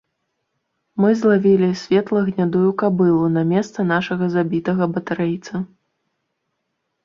Мы злавілі светла-гнядую кабылу на месца нашага забітага батарэйца.